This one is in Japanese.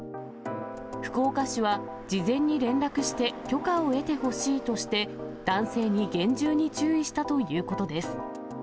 福岡市は、事前に連絡して許可を得てほしいとして、男性に厳重に注意したということです。